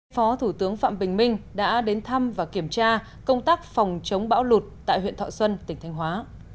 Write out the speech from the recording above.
phó thủ tướng phạm bình minh đã đến thăm và kiểm tra công tác phòng chống bão lụt tại huyện thọ xuân tỉnh thanh hóa